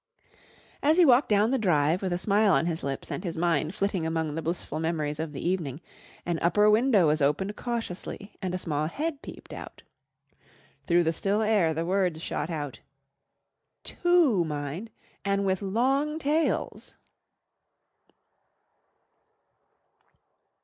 As he walked down the drive with a smile on his lips and his mind flitting among the blissful memories of the evening, an upper window was opened cautiously and a small head peeped out. Through the still air the words shot out "Two, mind, an' with long tails."